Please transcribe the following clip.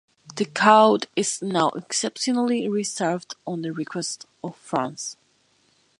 The code is now exceptionally reserved on the request of France.